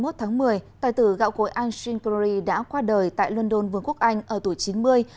ba mươi một tháng một mươi tài tử gạo cối anshin kauri đã qua đời tại london vương quốc anh ở tuổi chín mươi